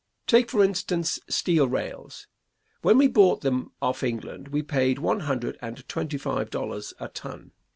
Take, for instance, steel rails; when we bought them of England we paid one hundred and twenty five dollars a ton.